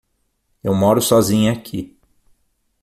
Eu moro sozinha aqui.